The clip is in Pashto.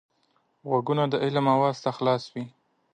غوږونه د علم آواز ته خلاص وي